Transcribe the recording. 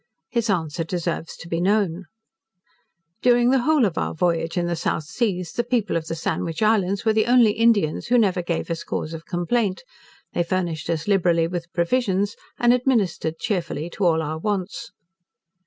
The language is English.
His answer deserves to be known: "During the whole of our voyage in the South Seas, the people of the Sandwich Islands were the only Indians who never gave us cause of complaint. They furnished us liberally with provisions, and administered cheerfully to all our wants."